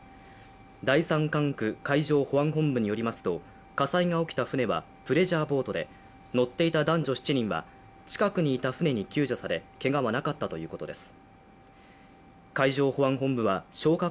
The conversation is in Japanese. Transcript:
第三管区海上保安本部によりますと火災が起きた船はプレジャーボートで乗っていた男女７人は近くにいた船に救助されけがはなかったということです。